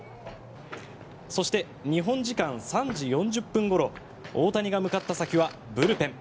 そして、日本時間３時４０分ごろ大谷が向かった先はブルペン。